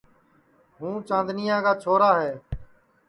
ہوں چاندنیا کا چھورا ہے